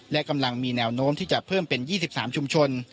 และกำลังมีแนวโน้มที่จะเพิ่มเป็น๒๓ชุมชน